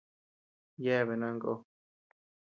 Yebea nanta kó.